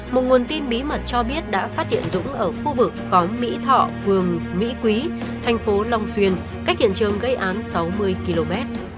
một nguồn tin bí mật cho biết đã phát hiện dũng ở khu vực khóm mỹ thọ phường mỹ quý thành phố long xuyên cách hiện trường gây án sáu mươi km